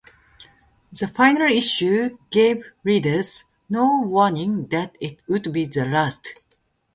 The final issue gave readers no warning that it would be the last.